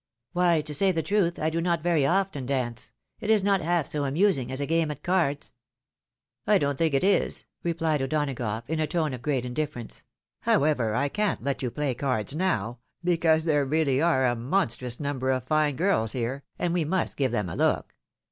" Why, to say the truth, I do not very often dance. It is not half so amusing as a game at cards "" I don't think it is," replied O'Donagough, in a tone of great indifference ; "however, I can't let you play cards now, because there really is a monstrous number of fine girls here, and we must give them a look.